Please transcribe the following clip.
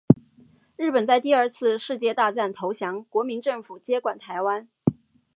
日本在第二次世界大战投降，国民政府接管台湾。